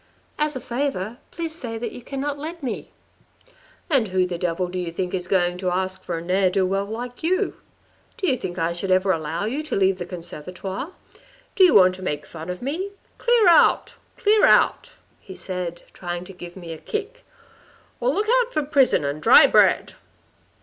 As a favour, please say that you cannot let me.' "' And who the devil do you think is going to ask for a ne'er do well like you ? Do you think I should ever allow you to leave the Conservatoire? Do you want to make fun of me ? Clear out ! Clear out !' he said, trying to give me a kick, • or look out for prison and dry bread.'